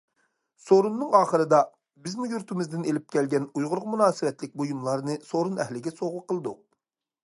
سورۇننىڭ ئاخىرىدا، بىزمۇ يۇرتىمىزدىن ئېلىپ كەلگەن ئۇيغۇرغا مۇناسىۋەتلىك بۇيۇملارنى سورۇن ئەھلىگە سوۋغا قىلدۇق.